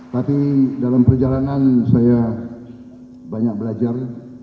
tapi dalam perjalanan saya banyak belajar